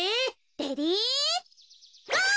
レディーゴー！